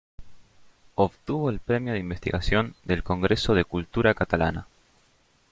Obtuvo el Premio de Investigación del Congreso de Cultura Catalana.